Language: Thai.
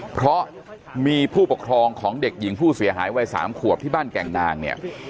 เพราะมีผู้ปกครองของเด็กหญิงผู้เสียหายวัย๓ขวบที่บ้านแก่งนางเนี่ย